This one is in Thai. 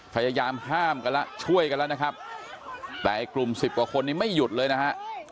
พยายามห้ามกันแล้วช่วยกันแล้วนะครับแต่ไอ้กลุ่มสิบกว่าคนนี้ไม่หยุดเลยนะฮะ